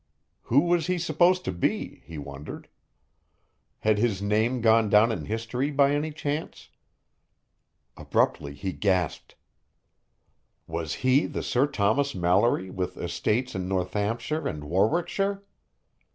Who was he supposed to be? he wondered. Had his name gone down in history by any chance? Abruptly he gasped. Was he the Sir Thomas Malory with estates in Northampshire and Warwickshire?